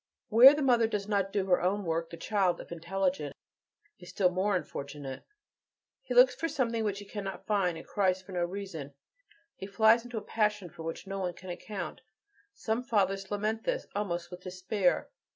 Where the mother does not do her own work, the child, if intelligent, is still more unfortunate. He looks for something which he cannot find, and cries for no reason, he flies into a passion for which no one can account; some fathers lament this, almost with despair.